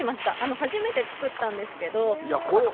初めて作ったんですけど。